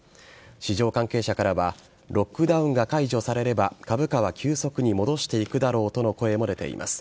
市場関係者からはロックダウンが解除されれば株価は急速に戻していくだろうとの声も出ています。